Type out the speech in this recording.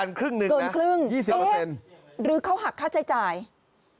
เจ๊หรือเค้าหักค่าจ่ายเกินครึ่ง๒๐